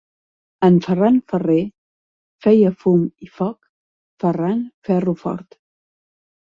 En Ferran Ferrer feia fum i foc ferrant ferro fort.